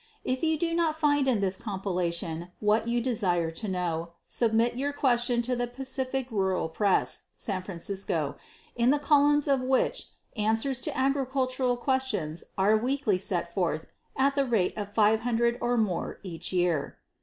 If you do not find in this compilation what you desire to know, submit your question to the Pacific Rural Press, San Francisco, in the columns of which answers to agricultural questions are weekly set forth at the rate of five hundred or more each year.